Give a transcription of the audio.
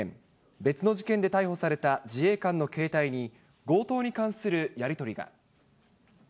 別の事件で逮捕された自衛官の携帯に、強盗に関するやり取りが。